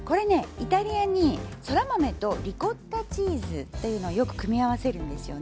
イタリアにそら豆とリコッタチーズというのをよく組み合わせるんですよね。